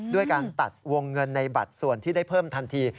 ด้วยการตัดวงเงินในบัตรส่วนที่ได้เพิ่มทันที